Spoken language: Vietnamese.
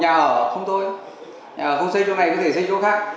nhà ở không xây chỗ này có thể xây chỗ khác